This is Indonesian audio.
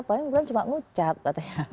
pokoknya bulan cuma ngucap katanya